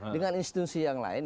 dengan institusi yang lain